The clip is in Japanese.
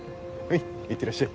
いってらっしゃい。